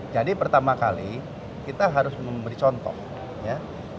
jadi pertama kali kita harus memberi contoh ya